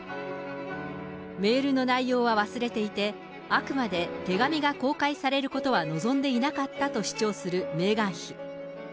メールの内容は忘れていて、あくまで手紙が公開されることは望んでいなかったと主張するメーガン妃。